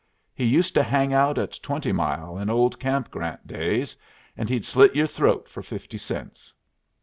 He used to hang out at Twenty Mile in Old Camp Grant days, and he'd slit your throat for fifty cents."